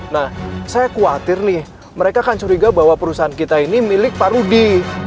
nah saya khawatir nih mereka kan curiga bahwa perusahaan kita ini milik pak rudi